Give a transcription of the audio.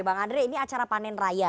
bang andre ini acara panen raya